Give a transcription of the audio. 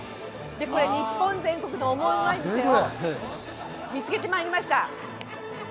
日本全国のオモウマい店、見つけて参りました。